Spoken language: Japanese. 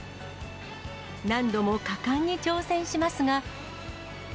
何度も果敢に挑戦しますが。